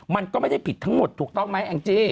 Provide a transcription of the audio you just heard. มันก็ไม่ได้ผิดทั้งหมดถูกต้องไหมแองจี้